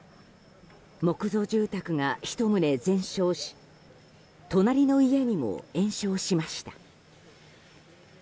木造住宅が１棟全焼し隣の家にも延焼しました。